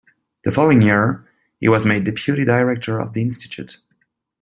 The following year, he was made Deputy Director of the Institute.